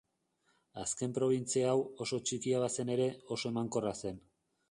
Azken probintzia hau, oso txikia bazen ere, oso emankorra zen.